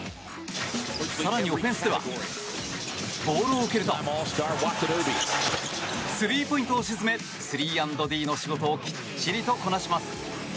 更にオフェンスではボールを受けるとスリーポイントを沈め３＆Ｄの仕事をきっちりとこなします。